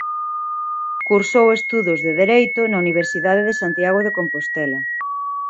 Cursou estudios de Dereito na Universidade de Santiago de Compostela.